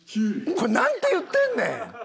これなんて言ってんねん！